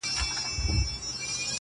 ترې به سترگه ايستل كېږي په سيخونو،